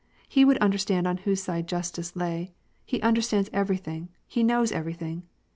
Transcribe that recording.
He would understand on whose side justice lay. He understands everything, he knows everything